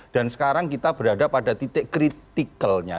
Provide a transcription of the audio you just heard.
dan sekarang kita berada pada titik kritikalnya